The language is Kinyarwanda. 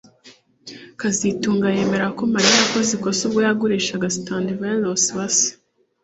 kazitunga yemera ko Mariya yakoze ikosa rikomeye ubwo yagurishaga Stradivarius wa se